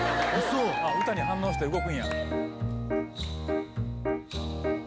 歌に反応して動く。